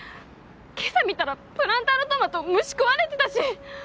今朝見たらプランターのトマト虫食われてたし！